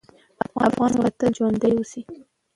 افغان ولس به تل ژوندی وي.